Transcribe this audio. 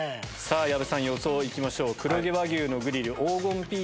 矢部さん予想行きましょう。